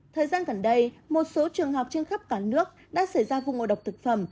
thời gian gần đây một số trường học trên khắp cả nước đã xảy ra vụ ngộ độc thực phẩm